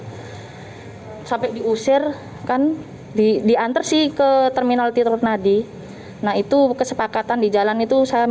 hai sampai diusir kan diantar sih ke terminal tirtonadi nah itu kesepakatan di jalan itu saya